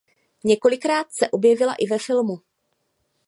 Několikrát se objevila i ve filmu.